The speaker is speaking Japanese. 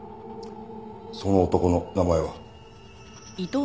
その男の名前は？